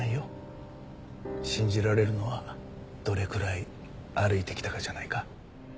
信じられるのはどれくらい歩いてきたかじゃないか？